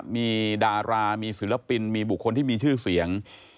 มีดารามีศิลปินมีบุคคลที่มีชื่อเสียง